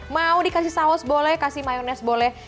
mau dikasih saus boleh kasih mayonese boleh